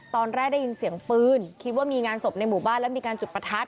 ตอนแรกได้ยินเสียงปืนคิดว่ามีงานศพในหมู่บ้านแล้วมีการจุดประทัด